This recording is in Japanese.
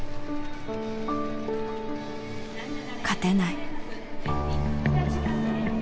勝てない。